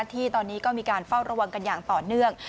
ที่ตอนนี้ก็มีการเฝ้าระวังกันอย่างต่อเนื่อง